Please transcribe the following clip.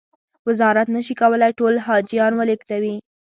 وزارت نه شي کولای ټول حاجیان و لېږدوي.